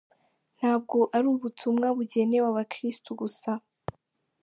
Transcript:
"Ntabwo ari ubutumwa bugenewe abakirisitu gusa.